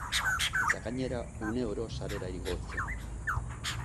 Eta gainera, uneoro sarera igotzen.